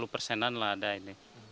lima puluh persenan lah ada ini